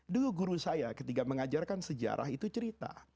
dulu guru saya ketika mengajarkan sejarah itu cerita